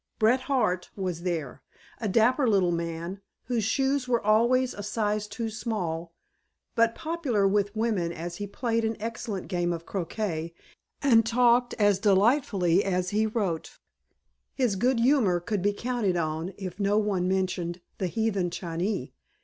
Bret Harte was there, a dapper little man, whose shoes were always a size too small, but popular with women as he played an excellent game of croquet and talked as delightfully as he wrote. His good humor could be counted on if no one mentioned "The Heathen Chinee."